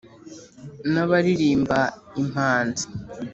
n’ abaririmba impanzi,